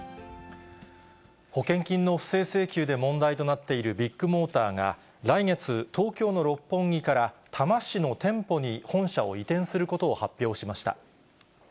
保険金の不正請求で問題となっているビッグモーターが来月、東京の六本木から多摩市の店舗に本社を移転することを発表しました。